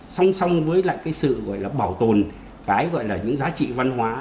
song song với lại cái sự gọi là bảo tồn cái gọi là những giá trị văn hóa